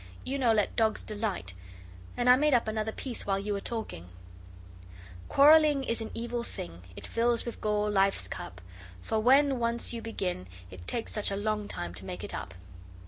You know let dogs delight and I made up another piece while you were talking Quarrelling is an evil thing, It fills with gall life's cup; For when once you begin It takes such a long time to make it up.